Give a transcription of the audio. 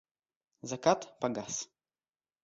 Закат погас.